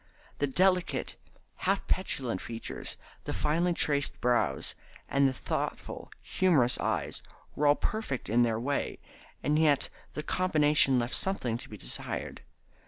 The delicate, half petulant features, the finely traced brows, and the thoughtful, humorous eyes were all perfect in their way, and yet the combination left something to be desired.